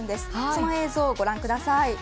その映像をご覧ください。